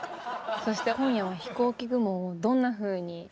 そして今夜は「ひこうき雲」をどんなふうに？